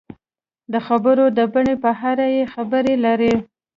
د خبرو د بڼې په اړه یې خبرې لري.